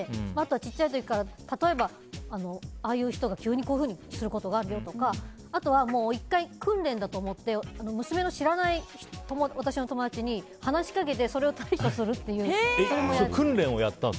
小さい時から例えばああいう人がこういうことをすることもあるよとかあとは、１回訓練だと思って娘の知らない私の友達に話しかけて、それに対応するというのを。